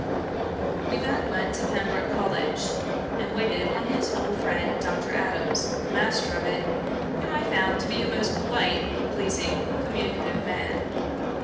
We then went to Pembroke College, and waited on his old friend Dr. Adams, the master of it, whom I found to be a most polite, pleasing, communicative man.